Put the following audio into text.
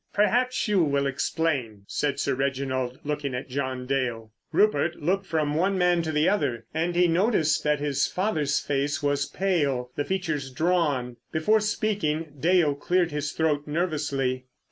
"Perhaps you will explain," said Sir Reginald, looking at John Dale. Rupert looked from one man to the other, and he noticed that his father's face was pale, the features drawn. Before speaking Dale cleared his throat nervously.